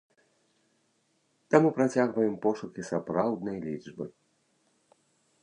Таму працягваем пошукі сапраўднай лічбы.